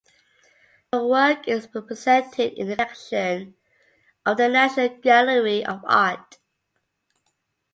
Her work is represented in the collection of the National Gallery of Art.